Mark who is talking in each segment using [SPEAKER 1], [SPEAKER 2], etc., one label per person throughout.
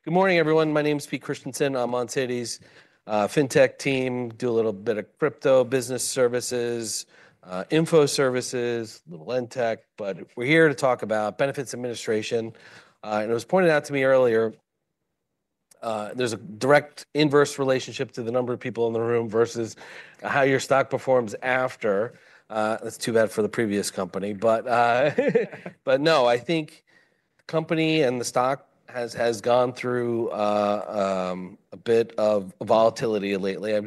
[SPEAKER 1] ... Good morning, everyone. My name's Pete Christiansen. I'm on Citi's fintech team, do a little bit of crypto business services, info services, little lendtech, but we're here to talk about benefits administration. And it was pointed out to me earlier, there's a direct inverse relationship to the number of people in the room versus how your stock performs after. That's too bad for the previous company, but no, I think the company and the stock has gone through a bit of volatility lately.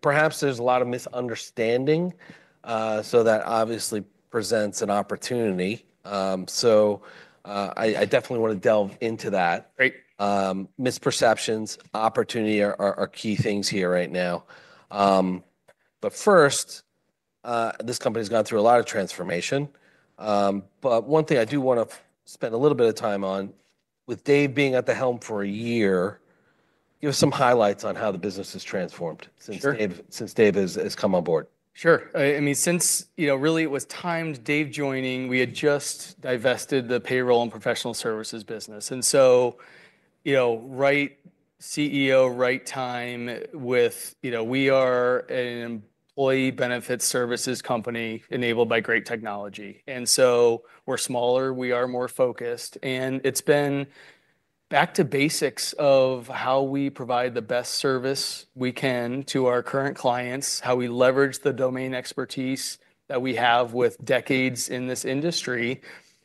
[SPEAKER 1] Perhaps there's a lot of misunderstanding, so that obviously presents an opportunity. So I definitely wanna delve into that.
[SPEAKER 2] Great.
[SPEAKER 1] Misperceptions, opportunity are key things here right now, but first, this company's gone through a lot of transformation, but one thing I do wanna spend a little bit of time on, with Dave being at the helm for a year. Give us some highlights on how the business has transformed.
[SPEAKER 2] Sure...
[SPEAKER 1] since Dave has come on board.
[SPEAKER 2] Sure. I mean, since, you know, really it was timed Dave joining. We had just divested the payroll and professional services business. You know, right CEO, right time with... You know, we are an employee benefits services company enabled by great technology, and so we're smaller, we are more focused, and it's been back to basics of how we provide the best service we can to our current clients, how we leverage the domain expertise that we have with decades in this industry,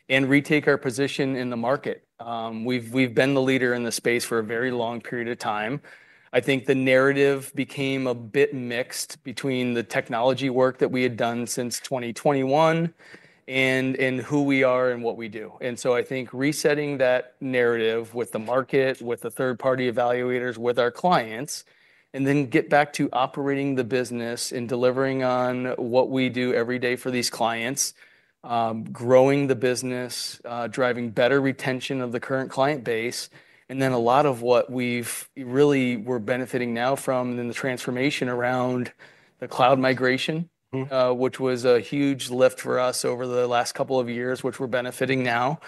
[SPEAKER 2] and retake our position in the market. We've been the leader in this space for a very long period of time. I think the narrative became a bit mixed between the technology work that we had done since 2021, and who we are and what we do. And so I think resetting that narrative with the market, with the third-party evaluators, with our clients, and then get back to operating the business and delivering on what we do every day for these clients, growing the business, driving better retention of the current client base. And then a lot of what we've really we're benefiting now from, in the transformation around the cloud migration-
[SPEAKER 1] Mm-hmm...
[SPEAKER 2] which was a huge lift for us over the last couple of years, which we're benefiting now.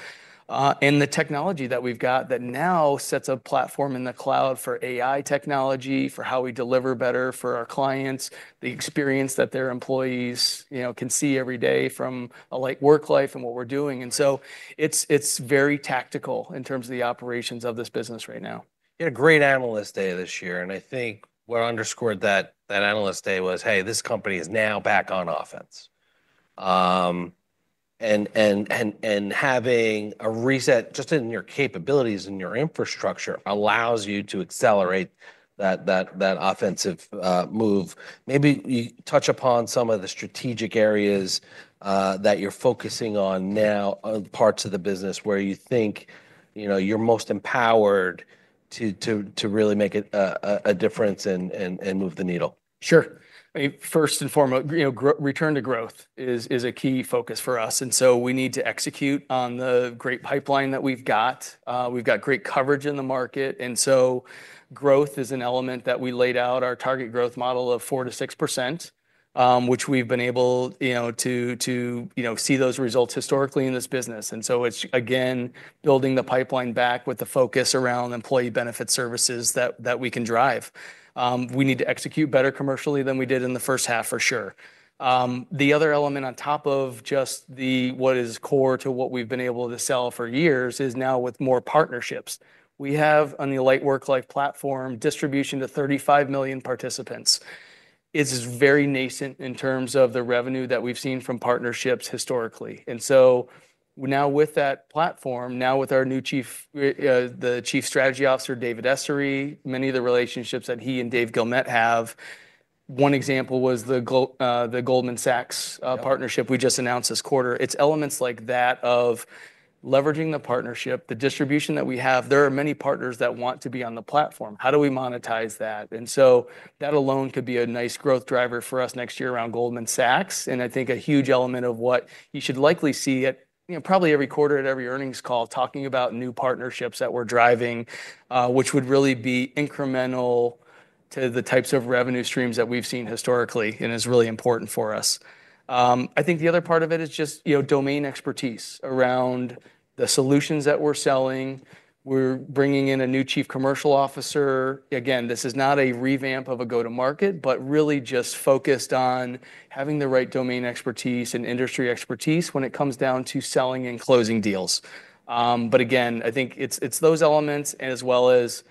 [SPEAKER 2] And the technology that we've got that now sets a platform in the cloud for AI technology, for how we deliver better for our clients, the experience that their employees, you know, can see every day from Alight Worklife and what we're doing. And so it's very tactical in terms of the operations of this business right now.
[SPEAKER 1] You had a great Analyst Day this year, and I think what underscored that, that Analyst Day was, "Hey, this company is now back on offense." And having a reset just in your capabilities and your infrastructure allows you to accelerate that offensive move. Maybe you touch upon some of the strategic areas that you're focusing on now, parts of the business where you think, you know, you're most empowered to really make a difference and move the needle.
[SPEAKER 2] Sure. I mean, first and foremost, you know, return to growth is a key focus for us, and so we need to execute on the great pipeline that we've got. We've got great coverage in the market, and so growth is an element that we laid out, our target growth model of 4%-6%, which we've been able, you know, to see those results historically in this business. And so it's, again, building the pipeline back with the focus around employee benefit services that we can drive. We need to execute better commercially than we did in the first half, for sure. The other element on top of just the what is core to what we've been able to sell for years is now with more partnerships. We have, on the Alight Worklife platform, distribution to 35 million participants. It's very nascent in terms of the revenue that we've seen from partnerships historically. And so now with that platform, now with our new Chief Strategy Officer, David Essary, many of the relationships that he and Dave Guilmette have. One example was the Goldman Sachs partnership.
[SPEAKER 1] Yeah...
[SPEAKER 2] we just announced this quarter. It's elements like that, of leveraging the partnership, the distribution that we have. There are many partners that want to be on the platform. How do we monetize that? And so that alone could be a nice growth driver for us next year around Goldman Sachs, and I think a huge element of what you should likely see at, you know, probably every quarter, at every earnings call, talking about new partnerships that we're driving, which would really be incremental to the types of revenue streams that we've seen historically, and is really important for us. I think the other part of it is just, you know, domain expertise around the solutions that we're selling. We're bringing in a new chief commercial officer. Again, this is not a revamp of a go-to-market, but really just focused on having the right domain expertise and industry expertise when it comes down to selling and closing deals. But again, I think it's those elements and as well as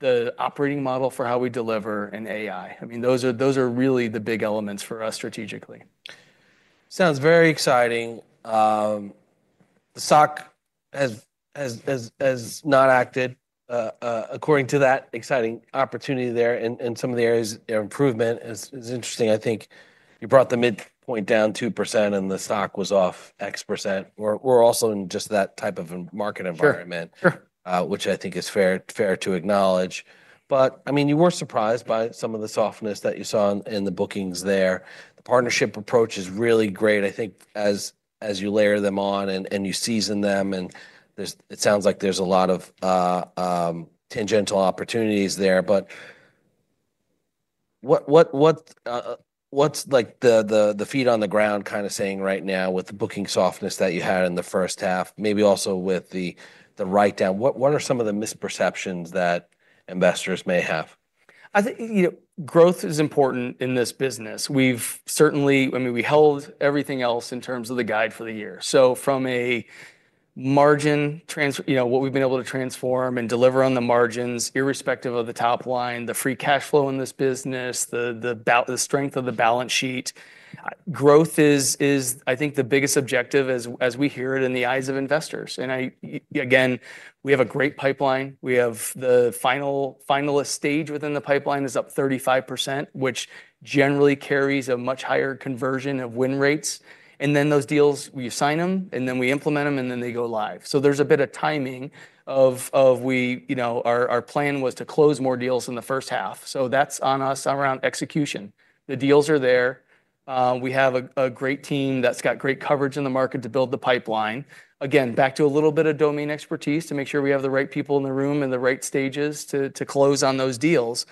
[SPEAKER 2] the operating model for how we deliver in AI. I mean, those are really the big elements for us strategically.
[SPEAKER 1] Sounds very exciting. The stock has not acted according to that exciting opportunity there. In some of the areas, you know, improvement is interesting. I think you brought the midpoint down 2%, and the stock was off X%. We're also in just that type of a market environment-
[SPEAKER 2] Sure, sure...
[SPEAKER 1] which I think is fair to acknowledge. But, I mean, you were surprised by some of the softness that you saw in the bookings there. The partnership approach is really great, I think, as you layer them on and you season them, and it sounds like there's a lot of tangential opportunities there. But what's, like, the feet on the ground kind of saying right now with the booking softness that you had in the first half, maybe also with the write-down? What are some of the misperceptions that investors may have?
[SPEAKER 2] I think you know, growth is important in this business. We've certainly. I mean, we held everything else in terms of the guide for the year. So from a margin transformation, you know, what we've been able to transform and deliver on the margins, irrespective of the top line, the free cash flow in this business, the strength of the balance sheet, growth is, I think the biggest objective as we hear it in the eyes of investors. And I again, we have a great pipeline. We have the final stage within the pipeline is up 35%, which generally carries a much higher conversion of win rates. And then those deals, we sign them, and then we implement them, and then they go live. So there's a bit of timing of we... You know, our plan was to close more deals in the first half, so that's on us around execution. The deals are there. We have a great team that's got great coverage in the market to build the pipeline. Again, back to a little bit of domain expertise to make sure we have the right people in the room and the right stages to close on those deals,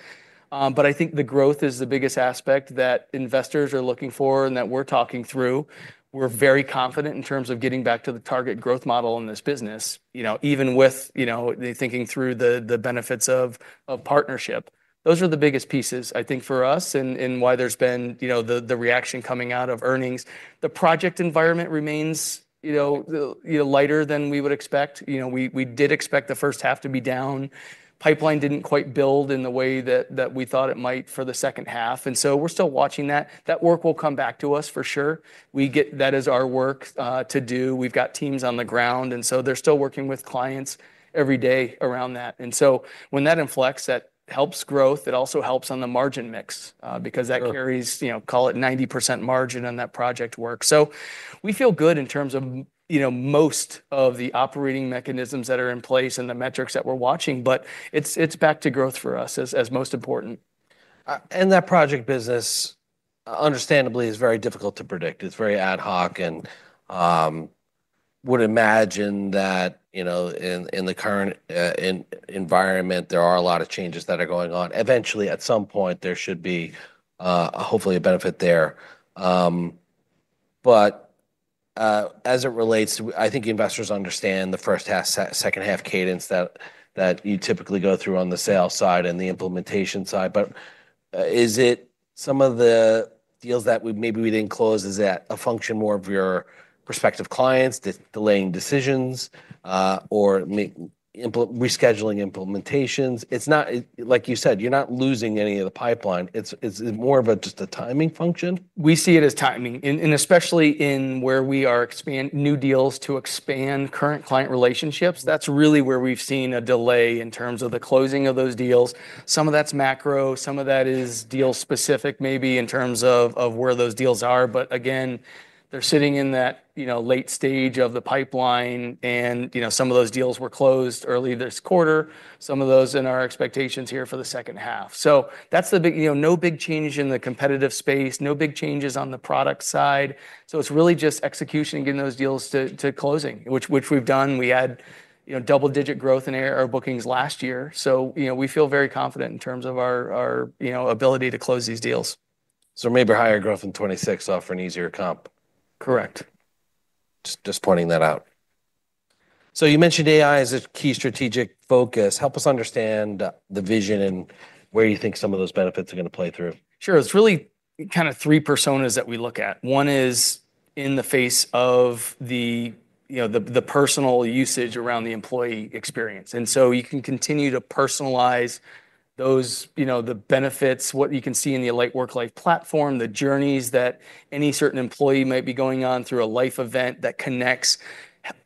[SPEAKER 2] but I think the growth is the biggest aspect that investors are looking for and that we're talking through. We're very confident in terms of getting back to the target growth model in this business, you know, even with you know, the thinking through the benefits of partnership. Those are the biggest pieces, I think, for us, and why there's been you know, the reaction coming out of earnings. The project environment remains, you know, you know, lighter than we would expect. You know, we did expect the first half to be down. Pipeline didn't quite build in the way that we thought it might for the second half, and so we're still watching that. That work will come back to us, for sure. That is our work to do. We've got teams on the ground, and so they're still working with clients every day around that. And so when that inflects, that helps growth. It also helps on the margin mix, because-
[SPEAKER 1] Sure
[SPEAKER 2] ...that carries, you know, call it 90% margin on that project work. So we feel good in terms of, you know, most of the operating mechanisms that are in place and the metrics that we're watching, but it's back to growth for us as most important.
[SPEAKER 1] And that project business, understandably, is very difficult to predict. It's very ad hoc, and would imagine that, you know, in the current environment, there are a lot of changes that are going on. Eventually, at some point, there should be hopefully a benefit there. But as it relates to, I think investors understand the first half, second-half cadence that you typically go through on the sales side and the implementation side. But is it some of the deals that we maybe didn't close? Is that a function more of your prospective clients just delaying decisions or rescheduling implementations? It's not. Like you said, you're not losing any of the pipeline. Is it more of just a timing function?
[SPEAKER 2] We see it as timing, and especially in where we are expanding new deals to expand current client relationships. That's really where we've seen a delay in terms of the closing of those deals. Some of that's macro, some of that is deal-specific, maybe in terms of where those deals are. But again, they're sitting in that, you know, late stage of the pipeline, and, you know, some of those deals were closed early this quarter, some of those in our expectations here for the second half. So that's the big... You know, no big change in the competitive space, no big changes on the product side, so it's really just execution and getting those deals to closing, which we've done. We had, you know, double-digit growth in our bookings last year, so, you know, we feel very confident in terms of our ability to close these deals.
[SPEAKER 1] So maybe higher growth in 2026 offer an easier comp?
[SPEAKER 2] Correct.
[SPEAKER 1] Just pointing that out. So you mentioned AI as a key strategic focus. Help us understand the vision and where you think some of those benefits are gonna play through.
[SPEAKER 2] Sure. It's really kind of three personas that we look at. One is in the face of the, you know, the personal usage around the employee experience, and so you can continue to personalize those, you know, the benefits, what you can see in the Alight Worklife platform, the journeys that any certain employee might be going on through a life event that connects,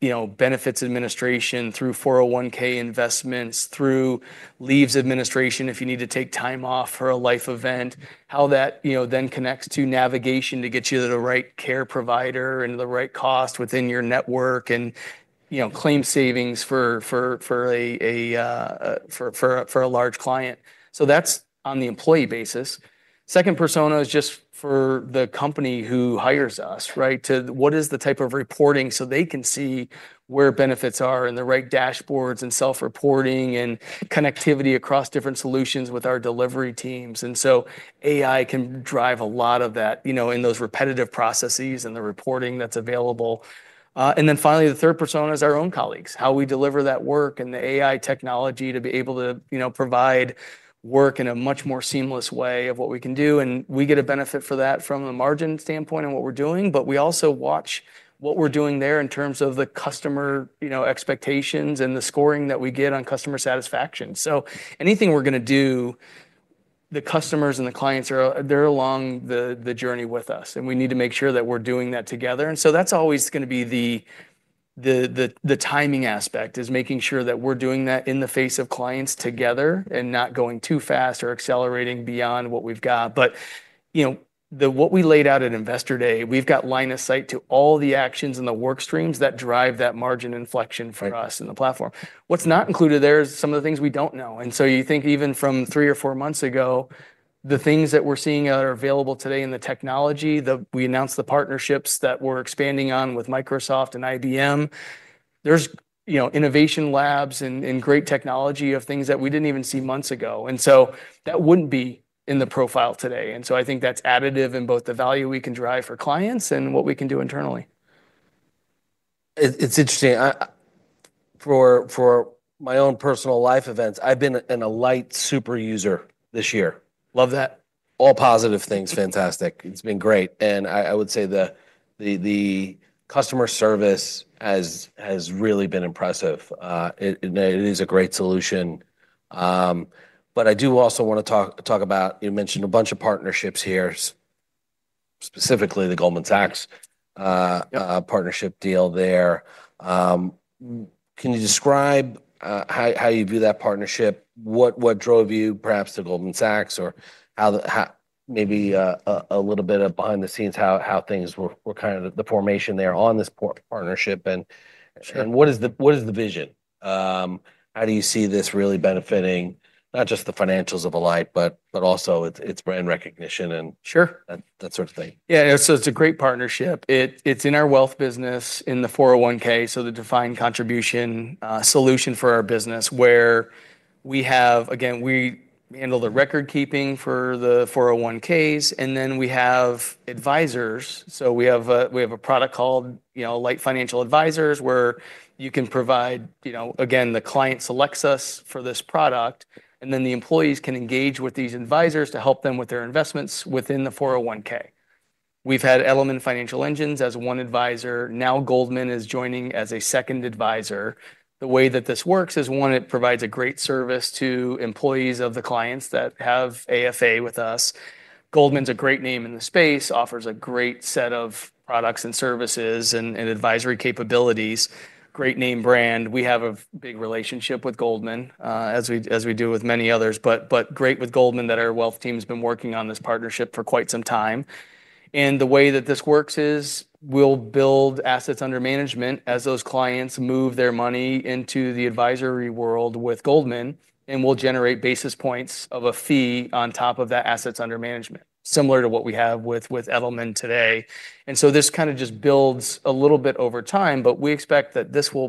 [SPEAKER 2] you know, benefits administration through 401(k) investments, through leave administration, if you need to take time off for a life event, how that, you know, then connects to navigation to get you to the right care provider and the right cost within your network, and, you know, claims savings for a large client. So that's on the employee basis. Second persona is just for the company who hires us, right? To what is the type of reporting so they can see where benefits are, and the right dashboards, and self-reporting, and connectivity across different solutions with our delivery teams, and so AI can drive a lot of that, you know, in those repetitive processes and the reporting that's available, and then finally, the third persona is our own colleagues, how we deliver that work and the AI technology to be able to, you know, provide work in a much more seamless way of what we can do, and we get a benefit for that from a margin standpoint in what we're doing, but we also watch what we're doing there in terms of the customer, you know, expectations and the scoring that we get on customer satisfaction. So anything we're gonna do, the customers and the clients are - they're along the journey with us, and we need to make sure that we're doing that together. And so that's always gonna be the timing aspect, is making sure that we're doing that in the face of clients together and not going too fast or accelerating beyond what we've got. But, you know, what we laid out at Investor Day, we've got line of sight to all the actions and the work streams that drive that margin inflection.
[SPEAKER 1] Right...
[SPEAKER 2] for us in the platform. What's not included there is some of the things we don't know. And so you think even from three or four months ago, the things that we're seeing that are available today in the technology. We announced the partnerships that we're expanding on with Microsoft and IBM. There's, you know, innovation labs and great technology of things that we didn't even see months ago, and so that wouldn't be in the profile today. And so I think that's additive in both the value we can drive for clients and what we can do internally....
[SPEAKER 1] It's interesting, I for my own personal life events, I've been an Alight superuser this year.
[SPEAKER 2] Love that.
[SPEAKER 1] All positive things, fantastic. It's been great, and I would say the customer service has really been impressive. It is a great solution, but I do also wanna talk about... You mentioned a bunch of partnerships here, specifically the Goldman Sachs.
[SPEAKER 2] Yeah...
[SPEAKER 1] partnership deal there. Can you describe how you view that partnership? What drove you perhaps to Goldman Sachs, or maybe a little bit of behind the scenes, how things were kind of the formation there on this partnership, and-
[SPEAKER 2] Sure...
[SPEAKER 1] and what is the vision? How do you see this really benefiting not just the financials of Alight, but also its brand recognition, and-
[SPEAKER 2] Sure...
[SPEAKER 1] that, that sort of thing?
[SPEAKER 2] Yeah, so it's a great partnership. It, it's in our wealth business, in the 401(k), so the defined contribution solution for our business, where we have... Again, we handle the record keeping for the 401(k)s, and then we have advisors. So we have a, we have a product called, you know, Alight Financial Advisors, where you can provide, you know... Again, the client selects us for this product, and then the employees can engage with these advisors to help them with their investments within the 401(k). We've had Edelman Financial Engines as one advisor, now Goldman is joining as a second advisor. The way that this works is, one, it provides a great service to employees of the clients that have AFA with us. Goldman's a great name in the space, offers a great set of products and services, and advisory capabilities. Great name brand. We have a big relationship with Goldman, as we, as we do with many others. But great with Goldman, that our wealth team's been working on this partnership for quite some time. And the way that this works is, we'll build assets under management as those clients move their money into the advisory world with Goldman, and we'll generate basis points of a fee on top of that assets under management, similar to what we have with Edelman today. And so this kind of just builds a little bit over time, but we expect that this could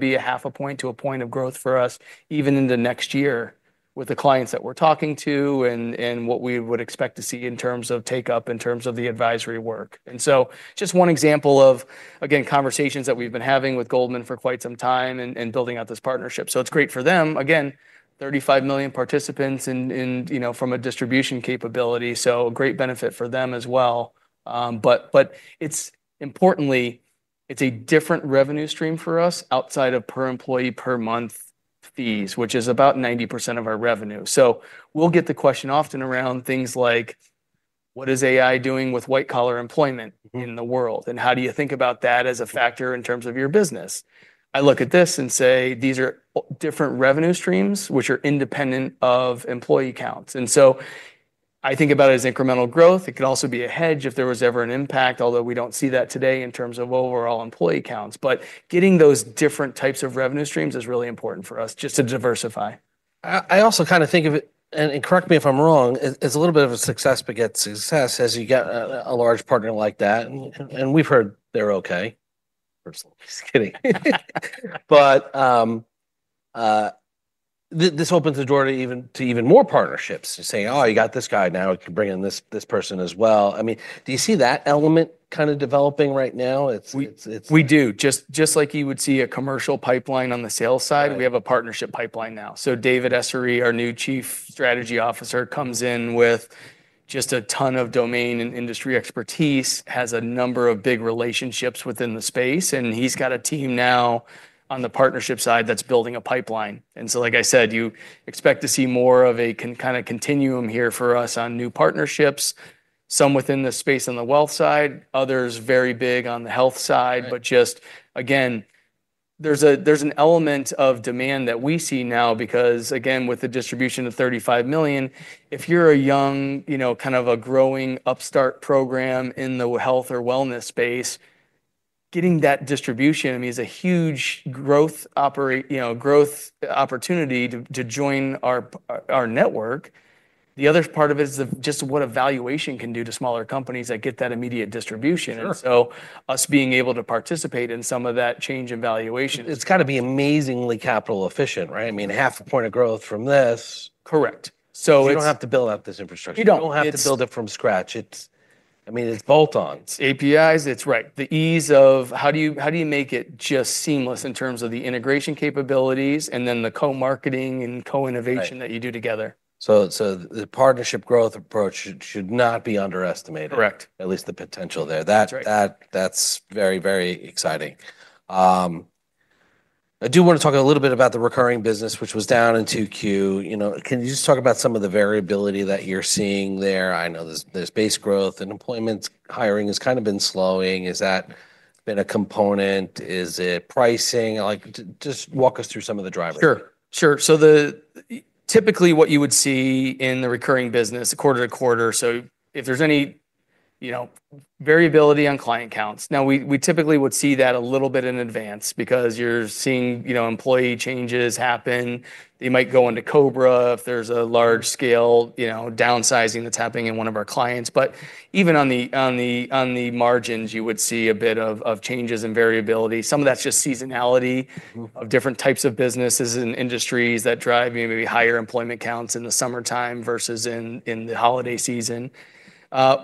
[SPEAKER 2] be 0.5 point to 1 point of growth for us, even into next year, with the clients that we're talking to, and what we would expect to see in terms of take-up, in terms of the advisory work. And so just one example of, again, conversations that we've been having with Goldman for quite some time, and building out this partnership. So it's great for them. Again, 35 million participants in, you know, from a distribution capability, so a great benefit for them as well. But importantly, it's a different revenue stream for us, outside of per employee per month fees, which is about 90% of our revenue. So we'll get the question often around things like, "What is AI doing with white-collar employment in the world, and how do you think about that as a factor in terms of your business?" I look at this and say, "These are different revenue streams, which are independent of employee counts." And so I think about it as incremental growth. It could also be a hedge if there was ever an impact, although we don't see that today in terms of overall employee counts. But getting those different types of revenue streams is really important for us, just to diversify.
[SPEAKER 1] I also kind of think of it, and correct me if I'm wrong, it's a little bit of a success begets success, as you get a large partner like that. And we've heard they're okay. Personally. Just kidding. But this opens the door to even more partnerships. You're saying, "Oh, you got this guy now, you could bring in this person as well." I mean, do you see that element kind of developing right now? It's-
[SPEAKER 2] We do. Just like you would see a commercial pipeline on the sales side-
[SPEAKER 1] Right...
[SPEAKER 2] we have a partnership pipeline now. So David Essary, our new Chief Strategy Officer, comes in with just a ton of domain and industry expertise, has a number of big relationships within the space, and he's got a team now on the partnership side that's building a pipeline. And so like I said, you expect to see more of a kind of continuum here for us on new partnerships, some within the space on the wealth side, others very big on the health side.
[SPEAKER 1] Right.
[SPEAKER 2] But just, again, there's an element of demand that we see now because, again, with the distribution of 35 million, if you're a young, you know, kind of a growing, upstart program in the health or wellness space, getting that distribution, I mean, is a huge growth opportunity to join our network. The other part of it is just what a valuation can do to smaller companies that get that immediate distribution.
[SPEAKER 1] Sure.
[SPEAKER 2] And so us being able to participate in some of that change in valuation-
[SPEAKER 1] It's gotta be amazingly capital efficient, right? I mean, 0.5 points of growth from this...
[SPEAKER 2] Correct. So it's-
[SPEAKER 1] You don't have to build out this infrastructure.
[SPEAKER 2] You don't. It's-
[SPEAKER 1] You don't have to build it from scratch. It's... I mean, it's bolt-ons.
[SPEAKER 2] It's APIs. Right. The ease of how do you make it just seamless in terms of the integration capabilities, and then the co-marketing and co-innovation-
[SPEAKER 1] Right...
[SPEAKER 2] that you do together?
[SPEAKER 1] The partnership growth approach should not be underestimated-
[SPEAKER 2] Correct...
[SPEAKER 1] at least the potential there.
[SPEAKER 2] That's right.
[SPEAKER 1] That, that's very, very exciting. I do want to talk a little bit about the recurring business, which was down in 2Q. You know, can you just talk about some of the variability that you're seeing there? I know there's base growth, and employment hiring has kind of been slowing. Has that been a component? Is it pricing? Like, just walk us through some of the drivers.
[SPEAKER 2] Sure, sure. So typically, what you would see in the recurring business quarter to quarter, so if there's, you know, variability on client counts. Now, we typically would see that a little bit in advance, because you're seeing, you know, employee changes happen. They might go into COBRA if there's a large-scale, you know, downsizing that's happening in one of our clients. But even on the margins, you would see a bit of changes and variability. Some of that's just seasonality.
[SPEAKER 1] Mm
[SPEAKER 2] of different types of businesses and industries that drive maybe higher employment counts in the summertime versus in the holiday season.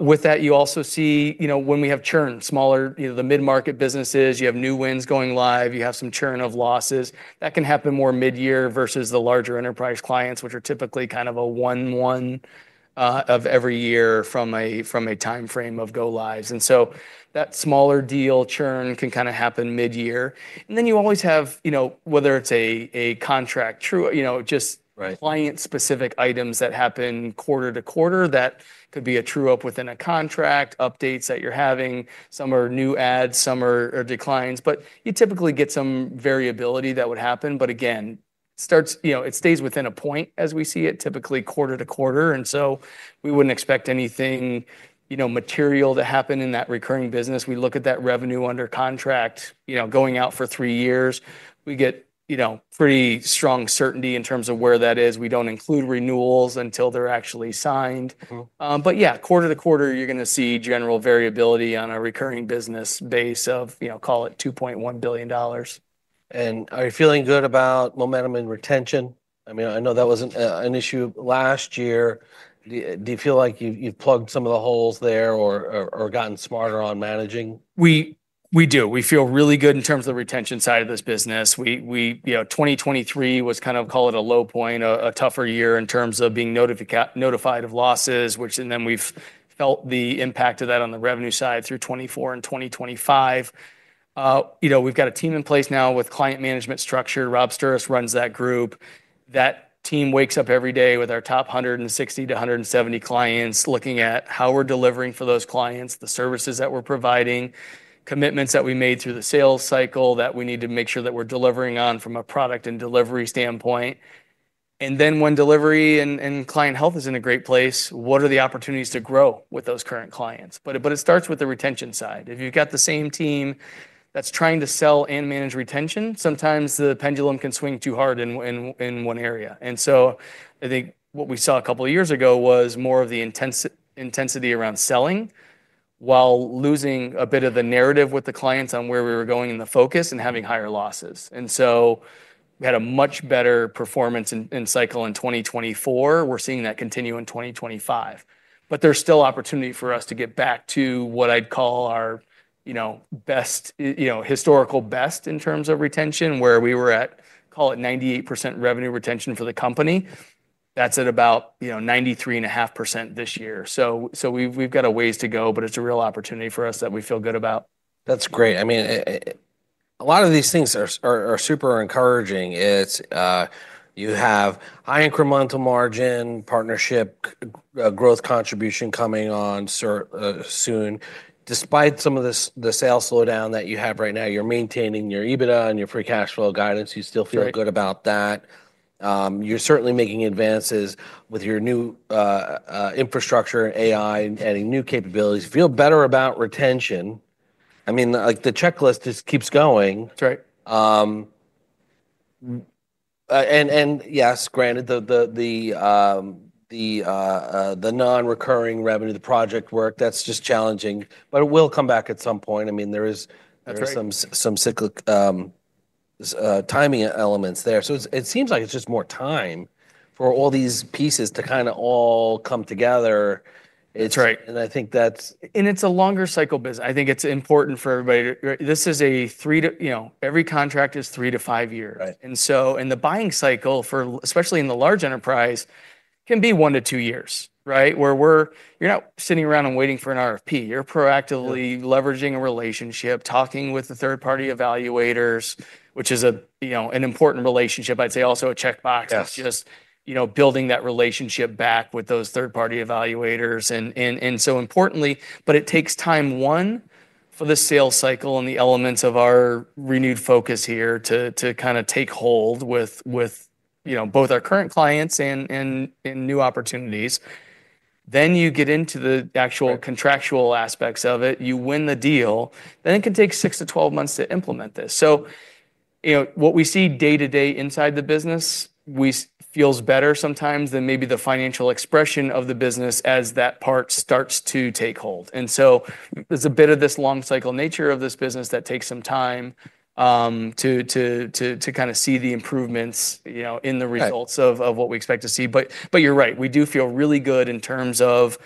[SPEAKER 2] With that, you also see, you know, when we have churn, smaller. You know, the mid-market businesses, you have new wins going live, you have some churn of losses. That can happen more mid-year versus the larger enterprise clients, which are typically kind of a one-one of every year from a timeframe of go-lives. And so that smaller deal churn can kinda happen mid-year. And then you always have, you know, whether it's a contract true- you know, just-
[SPEAKER 1] Right...
[SPEAKER 2] client-specific items that happen quarter to quarter, that could be a true-up within a contract, updates that you're having. Some are new adds, some are declines. But you typically get some variability that would happen, but again, starts... You know, it stays within a point, as we see it, typically quarter to quarter. And so we wouldn't expect anything, you know, material to happen in that recurring business. We look at that revenue under contract, you know, going out for three years. We get, you know, pretty strong certainty in terms of where that is. We don't include renewals until they're actually signed.
[SPEAKER 1] Mm-hmm.
[SPEAKER 2] But yeah, quarter to quarter, you're gonna see general variability on a recurring business base of, you know, call it $2.1 billion.
[SPEAKER 1] Are you feeling good about momentum and retention? I mean, I know that wasn't an issue last year. Do you feel like you've plugged some of the holes there or gotten smarter on managing?
[SPEAKER 2] We do. We feel really good in terms of the retention side of this business. You know, 2023 was kind of, call it, a low point, a tougher year in terms of being notified of losses, and then we've felt the impact of that on the revenue side through 2024 and 2025. You know, we've got a team in place now with client management structure. Rob Stier runs that group. That team wakes up every day with our top 160 to 170 clients, looking at how we're delivering for those clients, the services that we're providing, commitments that we made through the sales cycle that we need to make sure that we're delivering on from a product and delivery standpoint. And then when delivery and client health is in a great place, what are the opportunities to grow with those current clients? But it starts with the retention side. If you've got the same team that's trying to sell and manage retention, sometimes the pendulum can swing too hard in one area. And so I think what we saw a couple of years ago was more of the intensity around selling, while losing a bit of the narrative with the clients on where we were going and the focus, and having higher losses. And so we had a much better performance in cycle in 2024. We're seeing that continue in 2025. But there's still opportunity for us to get back to what I'd call our, you know, best, you know, historical best in terms of retention, where we were at, call it, 98% revenue retention for the company. That's at about, you know, 93.5% this year. We've got a ways to go, but it's a real opportunity for us that we feel good about.
[SPEAKER 1] That's great. I mean, a lot of these things are super encouraging. It's you have high incremental margin, partnership growth contribution coming on stream soon. Despite some of the sales slowdown that you have right now, you're maintaining your EBITDA and your free cash flow guidance.
[SPEAKER 2] Right.
[SPEAKER 1] You still feel good about that. You're certainly making advances with your new infrastructure and AI, and adding new capabilities. You feel better about retention. I mean, like, the checklist just keeps going.
[SPEAKER 2] That's right.
[SPEAKER 1] Yes, granted, the non-recurring revenue, the project work, that's just challenging, but it will come back at some point. I mean, there is-
[SPEAKER 2] That's right...
[SPEAKER 1] there are some timing elements there. So it seems like it's just more time for all these pieces to kinda all come together. It's-
[SPEAKER 2] That's right.
[SPEAKER 1] And I think that's-
[SPEAKER 2] It's a longer cycle business. I think it's important for everybody to... You know, every contract is three to five years.
[SPEAKER 1] Right.
[SPEAKER 2] The buying cycle for large, especially in the large enterprise, can be one to two years, right? Where we're... You're not sitting around and waiting for an RFP.
[SPEAKER 1] Right.
[SPEAKER 2] You're proactively leveraging a relationship, talking with the third-party evaluators, which is a, you know, an important relationship. I'd say also a checkbox-
[SPEAKER 1] Yes...
[SPEAKER 2] it's just, you know, building that relationship back with those third-party evaluators, and so importantly. But it takes time, one, for the sales cycle and the elements of our renewed focus here to kinda take hold with, you know, both our current clients and new opportunities. Then you get into the actual-
[SPEAKER 1] Right...
[SPEAKER 2] contractual aspects of it. You win the deal, then it can take 6-12 months to implement this. So, you know, what we see day-to-day inside the business feels better sometimes than maybe the financial expression of the business as that part starts to take hold. And so there's a bit of this long-cycle nature of this business that takes some time to kinda see the improvements, you know, in the results-
[SPEAKER 1] Right...
[SPEAKER 2] of what we expect to see. But you're right, we do feel really good in terms of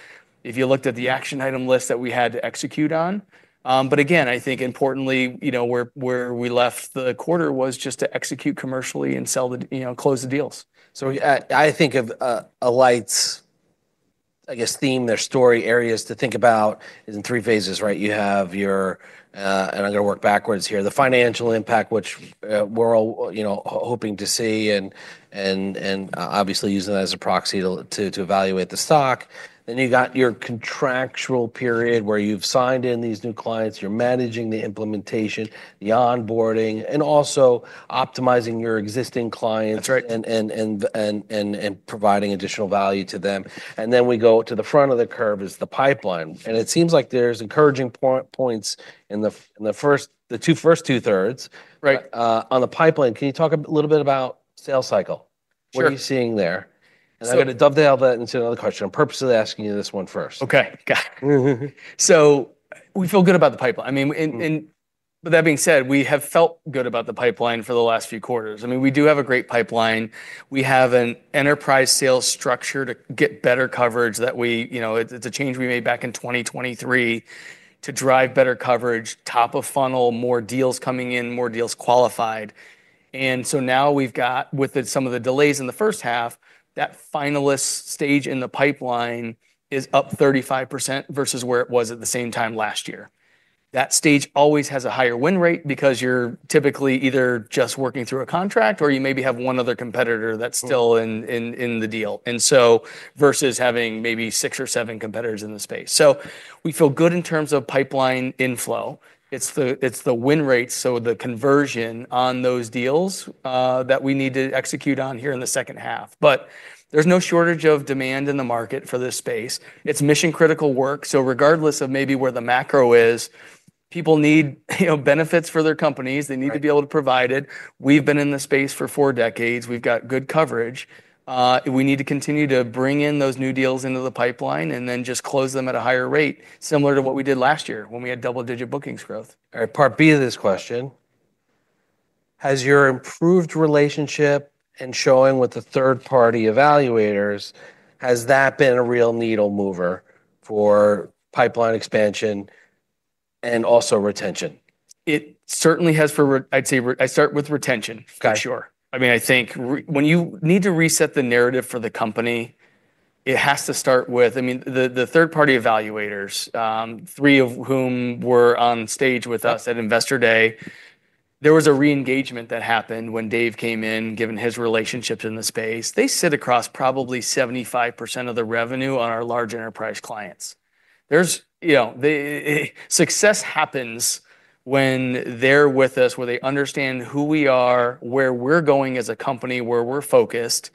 [SPEAKER 2] if you looked at the action item list that we had to execute on. But again, I think importantly, you know, where we left the quarter was just to execute commercially and sell the, you know, close the deals.
[SPEAKER 1] So, I think of Alight's, I guess, theme, their story, areas to think about, is in three phases, right? You have your... And I'm gonna work backwards here. The financial impact, which we're all, you know, hoping to see, and obviously using that as a proxy to evaluate the stock. Then you got your contractual period, where you've signed in these new clients, you're managing the implementation, the onboarding, and also optimizing your existing clients-
[SPEAKER 2] That's right...
[SPEAKER 1] and providing additional value to them, and then we go to the front of the curve is the pipeline.
[SPEAKER 2] Mm.
[SPEAKER 1] And it seems like there's encouraging points in the first two-thirds.
[SPEAKER 2] Right.
[SPEAKER 1] On the pipeline, can you talk a little bit about sales cycle? What are you seeing there?
[SPEAKER 2] So-
[SPEAKER 1] And I'm gonna dovetail that into another question. I'm purposely asking you this one first.
[SPEAKER 2] Okay, got it. So we feel good about the pipeline. I mean, but that being said, we have felt good about the pipeline for the last few quarters. I mean, we do have a great pipeline. We have an enterprise sales structure to get better coverage that we... You know, it's a change we made back in 2023 to drive better coverage, top of funnel, more deals coming in, more deals qualified. And so now we've got, with some of the delays in the first half, that finalist stage in the pipeline is up 35% versus where it was at the same time last year. That stage always has a higher win rate because you're typically either just working through a contract, or you maybe have one other competitor that's still-
[SPEAKER 1] Mm...
[SPEAKER 2] in the deal, and so versus having maybe six or seven competitors in the space. So we feel good in terms of pipeline inflow. It's the, it's the win rate, so the conversion on those deals, that we need to execute on here in the second half. But there's no shortage of demand in the market for this space. It's mission-critical work, so regardless of maybe where the macro is, people need, you know, benefits for their companies.
[SPEAKER 1] Right.
[SPEAKER 2] They need to be able to provide it. We've been in the space for four decades. We've got good coverage. We need to continue to bring in those new deals into the pipeline, and then just close them at a higher rate, similar to what we did last year when we had double-digit bookings growth.
[SPEAKER 1] All right, part B of this question: Has your improved relationship and showing with the third-party evaluators, has that been a real needle mover for pipeline expansion and also retention?
[SPEAKER 2] It certainly has. I'd start with retention-
[SPEAKER 1] Okay...
[SPEAKER 2] for sure. I mean, I think when you need to reset the narrative for the company, it has to start with... I mean, the third-party evaluators, three of whom were on stage with us-
[SPEAKER 1] Right...
[SPEAKER 2] at Investor Day, there was a re-engagement that happened when Dave came in, given his relationships in the space. They sit across probably 75% of the revenue on our large enterprise clients. There's, you know, the, Success happens when they're with us, where they understand who we are, where we're going as a company, where we're focused.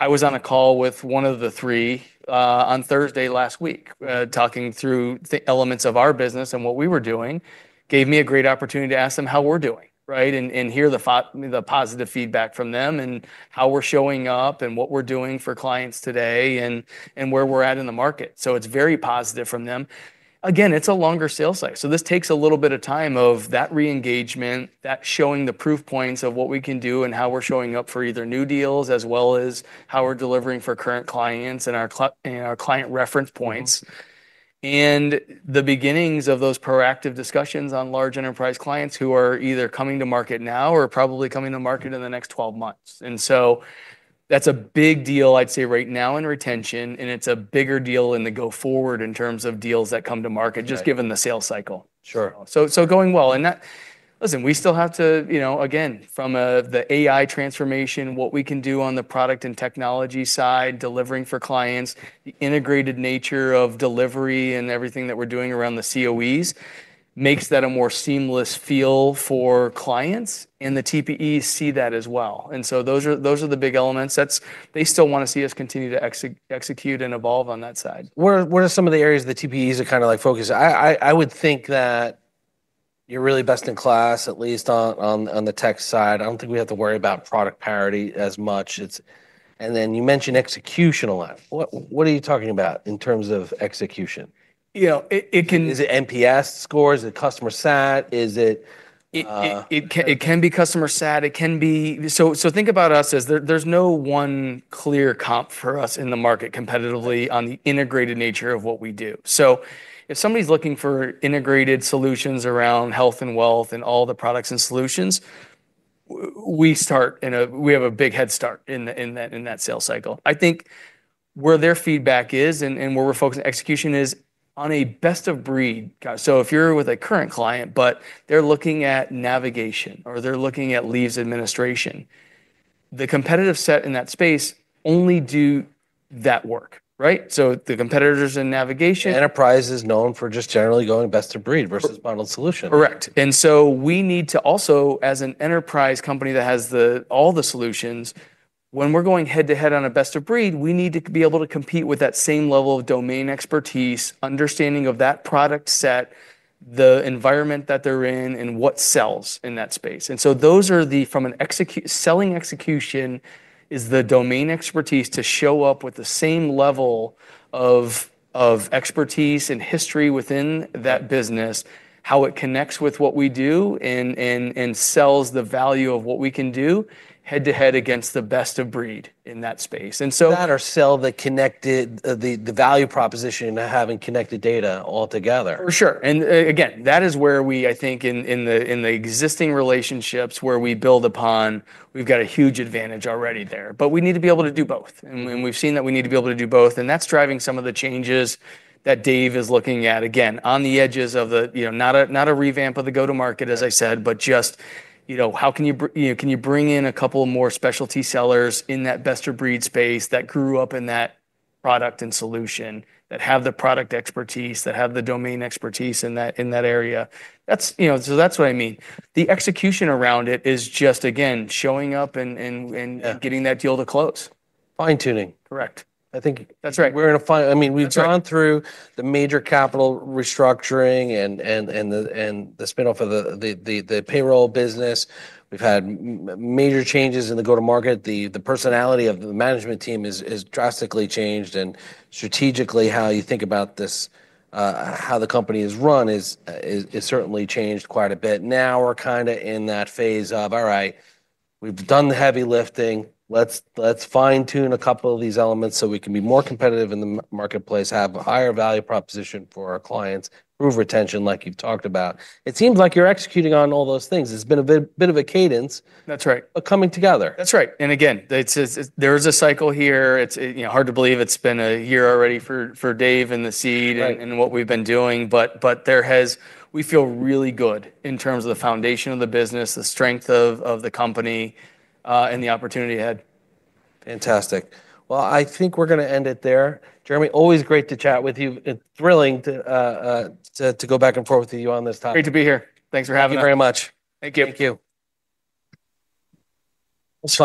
[SPEAKER 2] I was on a call with one of the three, on Thursday last week, talking through the elements of our business and what we were doing. Gave me a great opportunity to ask them how we're doing, right? And hear the positive feedback from them, and how we're showing up, and what we're doing for clients today, and where we're at in the market. So it's very positive from them. Again, it's a longer sales cycle, so this takes a little bit of time of that re-engagement, that showing the proof points of what we can do, and how we're showing up for either new deals, as well as how we're delivering for current clients, and our client reference points.
[SPEAKER 1] Mm.
[SPEAKER 2] And the beginnings of those proactive discussions on large enterprise clients who are either coming to market now or probably coming to market in the next 12 months. And so that's a big deal, I'd say, right now in retention, and it's a bigger deal in the go forward in terms of deals that come to market...
[SPEAKER 1] Right...
[SPEAKER 2] just given the sales cycle.
[SPEAKER 1] Sure.
[SPEAKER 2] So, so going well. And that... Listen, we still have to, you know, again, from the AI transformation, what we can do on the product and technology side, delivering for clients, the integrated nature of delivery and everything that we're doing around the COEs, makes that a more seamless feel for clients, and the TPEs see that as well. And so those are, those are the big elements. That's... They still wanna see us continue to execute and evolve on that side.
[SPEAKER 1] What are some of the areas the TPEs are kind of, like, focused? I would think that you're really best in class, at least on the tech side. I don't think we have to worry about product parity as much. It's... and then you mentioned execution a lot. What are you talking about in terms of execution?
[SPEAKER 2] You know, it can-
[SPEAKER 1] Is it NPS scores? Is it customer sat? Is it,
[SPEAKER 2] It can be customer sat. It can be... So think about us. There's no one clear comp for us in the market competitively on the integrated nature of what we do. So if somebody's looking for integrated solutions around health and wealth and all the products and solutions, we start in a... We have a big headstart in that sales cycle. I think where their feedback is, and where we're focused on execution, is on a best of breed.
[SPEAKER 1] Got it.
[SPEAKER 2] So if you're with a current client, but they're looking at navigation, or they're looking at leave administration, the competitive set in that space only do that work, right? So the competitors in navigation-
[SPEAKER 1] Enterprise is known for just generally going best of breed versus bundled solution.
[SPEAKER 2] Correct. And so we need to also, as an enterprise company that has all the solutions, when we're going head-to-head on a best of breed, we need to be able to compete with that same level of domain expertise, understanding of that product set, the environment that they're in, and what sells in that space. And so those are the... Selling execution is the domain expertise to show up with the same level of expertise and history within that business, how it connects with what we do, and sells the value of what we can do, head-to-head against the best of breed in that space. And so-
[SPEAKER 1] That or sell the connected, the value proposition to having connected data altogether.
[SPEAKER 2] For sure. And again, that is where we, I think, in the existing relationships, where we build upon, we've got a huge advantage already there. But we need to be able to do both.
[SPEAKER 1] Mm.
[SPEAKER 2] We've seen that we need to be able to do both, and that's driving some of the changes that Dave is looking at, again, on the edges of the... You know, not a revamp of the go-to-market, as I said, but just, you know, how can you, you know, bring in a couple more specialty sellers in that best of breed space that grew up in that product and solution, that have the product expertise, that have the domain expertise in that area? That's, you know, so that's what I mean. The execution around it is just, again, showing up and...
[SPEAKER 1] Yeah...
[SPEAKER 2] getting that deal to close.
[SPEAKER 1] Fine-tuning.
[SPEAKER 2] Correct.
[SPEAKER 1] I think-
[SPEAKER 2] That's right...
[SPEAKER 1] we're in a
[SPEAKER 2] That's right.
[SPEAKER 1] I mean, we've gone through the major capital restructuring, and the spin-off of the payroll business. We've had major changes in the go-to-market. The personality of the management team is drastically changed, and strategically, how you think about this, how the company is run is certainly changed quite a bit. Now we're kind of in that phase of, "All right, we've done the heavy lifting. Let's fine-tune a couple of these elements so we can be more competitive in the marketplace, have a higher value proposition for our clients, improve retention," like you've talked about. It seems like you're executing on all those things. It's been a bit of a cadence-
[SPEAKER 2] That's right...
[SPEAKER 1] but coming together.
[SPEAKER 2] That's right. And again, it's there is a cycle here. It's, you know, hard to believe it's been a year already for Dave and the seed-
[SPEAKER 1] Right...
[SPEAKER 2] and what we've been doing, but there has... We feel really good in terms of the foundation of the business, the strength of the company, and the opportunity ahead.
[SPEAKER 1] Fantastic. Well, I think we're gonna end it there. Jeremy, always great to chat with you, and thrilling to go back and forth with you on this topic.
[SPEAKER 2] Great to be here. Thanks for having me.
[SPEAKER 1] Thank you very much.
[SPEAKER 2] Thank you.
[SPEAKER 1] Thank you. That's all-